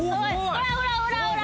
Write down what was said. ほらほらほらほら！